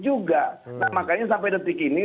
juga nah makanya sampai detik ini